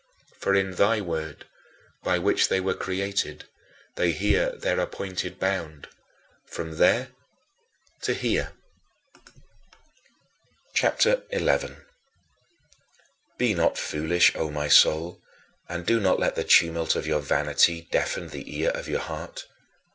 For in thy word, by which they were created, they hear their appointed bound: "From there to here!" CHAPTER XI 16. Be not foolish, O my soul, and do not let the tumult of your vanity deafen the ear of your heart.